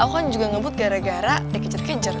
aku kan juga ngebut gara gara dikejar kejar